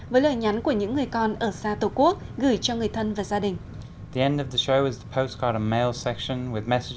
với lời nhắn của những người con ở xa tổ quốc gửi cho người thân và gia đình